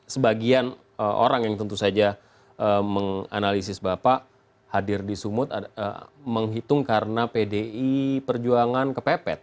sebagian orang yang tentu saja menganalisis bapak hadir di sumut menghitung karena pdi perjuangan kepepet